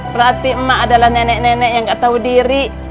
pelatih emak adalah nenek nenek yang gak tahu diri